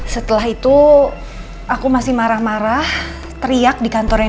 setelah itu aku masih marah marah teriak di kantor yang